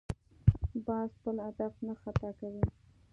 باز خپل هدف نه خطا کوي